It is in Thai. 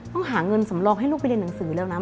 หาเงินสำรองให้ลูกไปเรียนหนังสือแล้วนะ